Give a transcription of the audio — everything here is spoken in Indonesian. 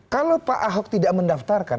kalau pak ahok tidak mendaftarkan